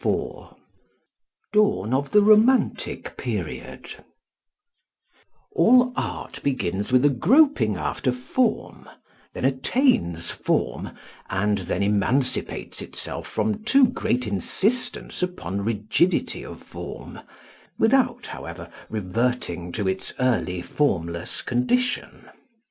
IV DAWN OF THE ROMANTIC PERIOD All art begins with a groping after form, then attains form, and then emancipates itself from too great insistence upon rigidity of form without, however, reverting to its early formless condition.